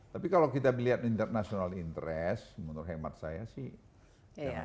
tapi kalau kita melihat international interest menurut hemat saya sih